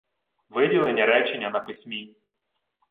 Виділення речення на письмі